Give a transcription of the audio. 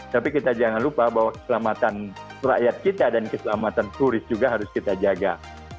tapi kita jangan lupa bahwa keselamatan rakyat kita dan keselamatan turis juga harus kita jaga